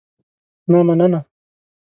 نه مننه.